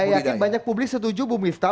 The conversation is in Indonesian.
saya yakin banyak publik setuju bu miftah